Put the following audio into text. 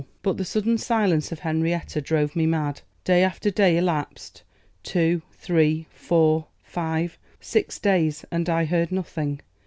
But the sudden silence of Henrietta drove me mad. Day after day elapsed; two, three, four, five, six days, and I heard nothing.